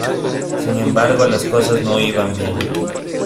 Sin embargo, las cosas no iban bien.